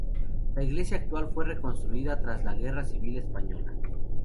La iglesia actual fue reconstruida tras la Guerra Civil Española.